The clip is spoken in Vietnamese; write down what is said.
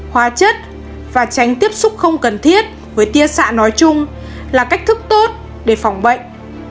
hóa chất và tránh tiếp xúc không cần thiết với tia xạ nói chung là cách thức tốt để phòng bệnh